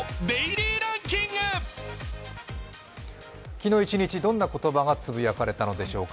昨日一日どんな言葉がつぶやかれたのでしょうか。